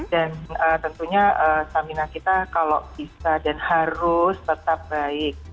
dan tentunya stamina kita kalau bisa dan harus tetap baik